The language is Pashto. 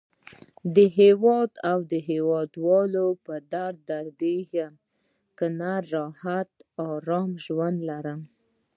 د هیواد او هیواد والو په درد دردېږم. کنه راحته او آرام ژوند لرم.